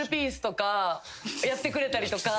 やってくれたりとか。